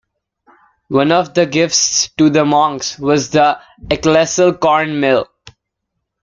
One of the gifts to the monks was the Ecclesall Corn Mill.